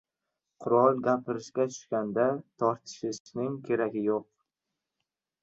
• Qurol gapirishga tushganda tortishishning keragi yo‘q.